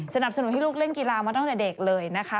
สนับสนุนให้ลูกเล่นกีฬามาตั้งแต่เด็กเลยนะคะ